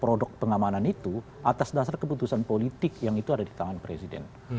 produk pengamanan itu atas dasar keputusan politik yang itu ada di tangan presiden